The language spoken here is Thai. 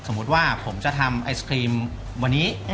สมมุติว่าผมจะทำไอศครีมวันนี้